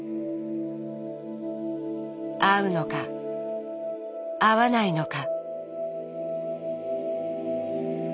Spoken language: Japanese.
会うのか会わないのか。